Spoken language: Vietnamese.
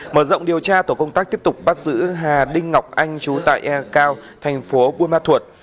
mở rộng điều tra tổ công tác tiếp tục bắt giữ hà đinh ngọc anh trú tại cao tp buôn ma thuột